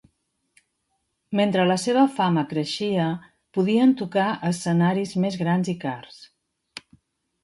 Mentre la seva fama creixia, podien tocar a escenaris més grans i cars.